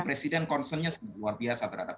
presiden concernnya luar biasa terhadap